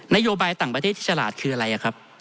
นโยบายต่างประเทศที่ฉลาดคืออะไรครับ